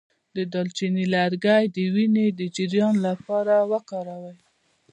د دارچینی لرګی د وینې د جریان لپاره وکاروئ